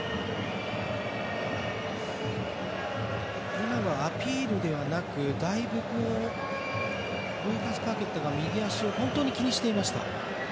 今はアピールではなくだいぶ、ルーカス・パケタが右足を本当に気にしていました。